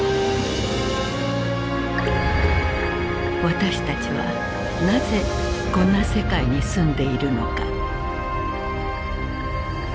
私たちはなぜこんな世界に住んでいるのか。